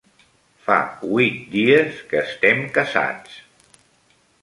Fa huit dies que estem casats.